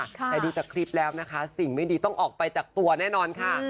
แต่ดูจากคลิปแล้วนะคะสิ่งไม่ดีต้องออกไปจากตัวแน่นอนค่ะ